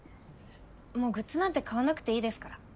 もうグッズなんて買わなくていいですから。